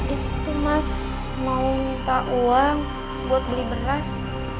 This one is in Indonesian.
itu mas mau minta uang buat beli beras